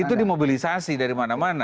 itu dimobilisasi dari mana mana